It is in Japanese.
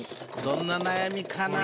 どんな悩みかな？